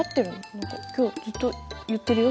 何か今日ずっと言ってるよ